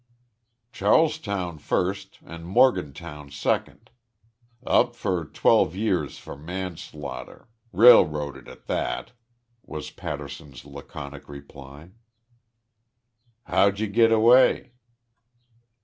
"Charlestown first an' Morgantown second. Up for twelve years for manslaughter railroaded at that," was Patterson's laconic reply. "How'd you get away?"